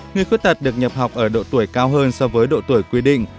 người khuyết tật được nhập học ở độ tuổi cao hơn so với độ tuổi quy định